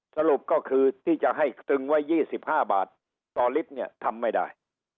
สรุปก็คือที่จะให้ตึงไว้๒๕บาทต่อลิตรเนี่ยทำไม่ได้